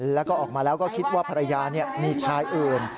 แล้วก็ออกมาแล้วก็คิดว่าภรรยามีชายอื่น